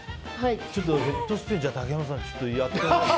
ちょっと、ヘッドスピン竹山さん、やってみて。